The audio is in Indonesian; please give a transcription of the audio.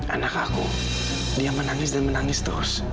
anak aku dia menangis dan menangis terus